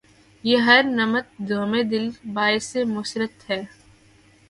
بہ ہر نمط غمِ دل باعثِ مسرت ہے